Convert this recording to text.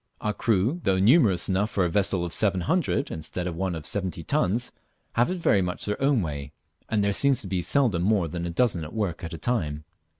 Our crew; though numerous enough for a vessel of 700 instead of one of 70 tons, have it very much their own way, and there seems to be seldom more than a dozen at work at a time.